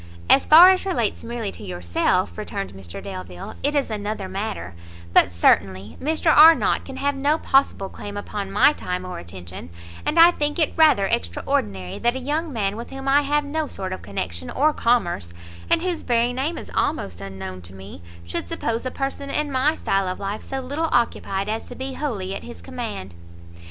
"As far as relates merely to yourself," returned Mr Delvile, "it is another matter; but certainly Mr Arnott can have no possible claim upon my time or attention; and I think it rather extraordinary, that a young man with whom I have no sort of connection or commerce, and whose very name is almost unknown to me, should suppose a person in my style of life so little occupied as to be wholly at his command."